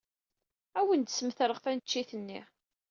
Ad awen-d-smetreɣ taneččit-nni.